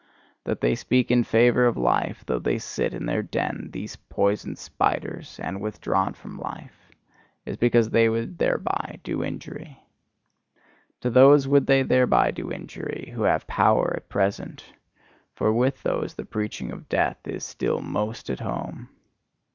That they speak in favour of life, though they sit in their den, these poison spiders, and withdrawn from life is because they would thereby do injury. To those would they thereby do injury who have power at present: for with those the preaching of death is still most at home.